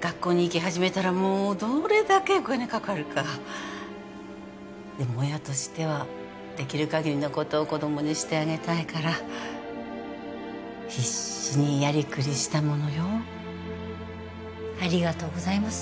学校に行き始めたらもうどれだけお金かかるかでも親としてはできるかぎりのことを子どもにしてあげたいから必死にやりくりしたものよありがとうございます